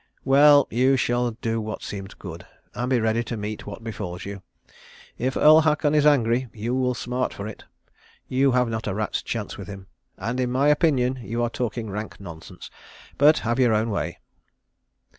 "Well, you shall do what seems good, and be ready to meet what befalls you. If Earl Haakon is angry, you will smart for it. You have not a rat's chance with him; and in my opinion you are talking rank nonsense. But have your own way."